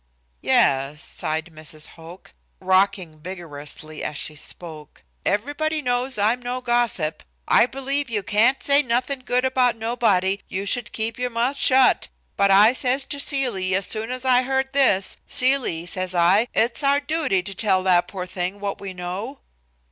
"Yes," sighed Mrs. Hoch, rocking vigorously as she spoke, "everybody knows I'm no gossip. I believe if you can't say nothing good about nobody, you should keep your mouth shut, but I says to Celie as soon as I heard this, 'Celie,' says I, 'it's our duty to tell that poor thing what we know.'"